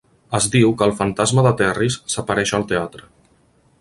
Es diu que el fantasma de Terris s'apareix al teatre.